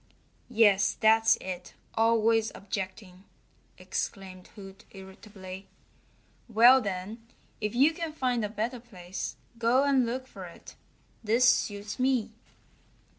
"Yes, that's it always objecting!" exclaimed Hoot irritably. "Well, then, if you can find a better place go and look for it. This suits me."